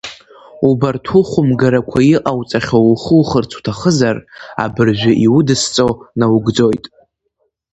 Убарҭ ухәымгарақәа иҟауҵақәахьоу ухухырц уҭахызар, абыржәы иудысҵо наугӡоит.